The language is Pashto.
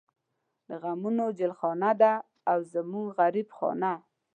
د غمونو خېلخانه ده او زمونږ غريب خانه